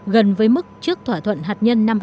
gần với mức trước thỏa thuận hạt nhân năm hai nghìn một mươi